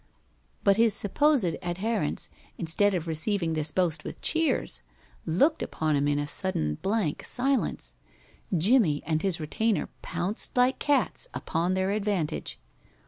But his supposed adherents, instead of receiving this boast with cheers, looked upon him in a sudden blank silence. Jimmie and his retainer pounced like cats upon their advantage.